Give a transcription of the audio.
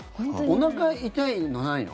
おなか痛いのないの？